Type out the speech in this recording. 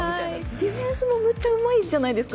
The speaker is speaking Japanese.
ディフェンスもむっちゃうまいじゃないですか。